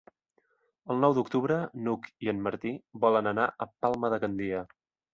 El nou d'octubre n'Hug i en Martí volen anar a Palma de Gandia.